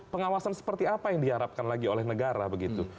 pengawasan seperti apa yang diharapkan lagi oleh negara begitu